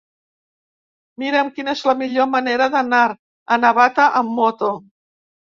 Mira'm quina és la millor manera d'anar a Navata amb moto.